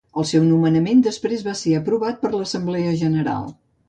El seu nomenament després va ser aprovat per l'Assemblea General.